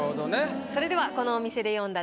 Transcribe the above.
それではこのお店で詠んだ